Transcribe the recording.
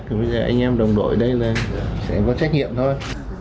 thì bây giờ anh em đồng đội đây là sẽ có trách nhiệm thôi